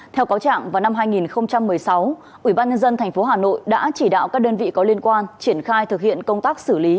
theo cáo trạng vào năm hai nghìn một mươi sáu ủy ban nhân dân tp hà nội đã chỉ đạo các đơn vị có liên quan triển khai thực hiện công tác xử lý